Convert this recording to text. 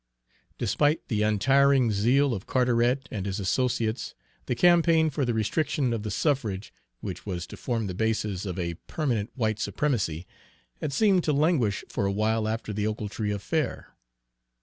Despite the untiring zeal of Carteret and his associates, the campaign for the restriction of the suffrage, which was to form the basis of a permanent white supremacy, had seemed to languish for a while after the Ochiltree affair.